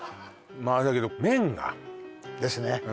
まあだけど麺がですね